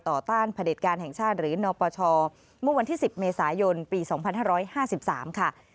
ต้านผลิตการแห่งชาติหรือนปชเมื่อวันที่๑๐เมษายนปี๒๕๕๓ค่ะ